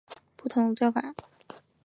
该行为在其他汉语地区有不同的叫法。